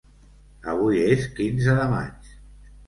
Avui és quinze de maig.